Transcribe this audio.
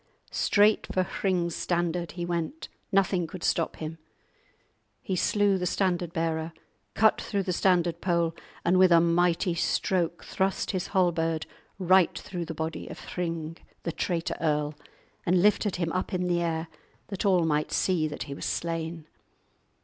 Straight for Hring's standard he went, nothing could stop him. He slew the standard bearer, cut through the standard pole, and with a mighty stroke thrust his halberd right through the body of Hring, the traitor earl, and lifted him up in the air that all might see that he was slain.